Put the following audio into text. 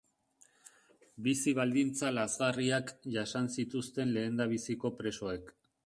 Bizi baldintza lazgarriak jasan zituzten lehendabiziko presoek.